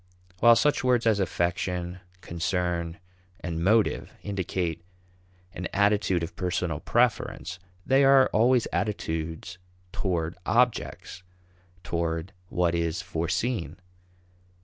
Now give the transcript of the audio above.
While such words as affection, concern, and motive indicate an attitude of personal preference, they are always attitudes toward objects toward what is foreseen.